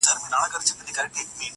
چي راضي مُلا چرګک او خپل پاچا کړي،